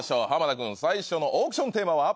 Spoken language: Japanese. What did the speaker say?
田君最初のオークションテーマは？